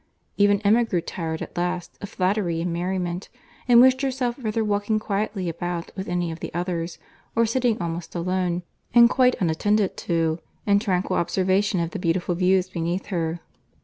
Even Emma grew tired at last of flattery and merriment, and wished herself rather walking quietly about with any of the others, or sitting almost alone, and quite unattended to, in tranquil observation of the beautiful views beneath her.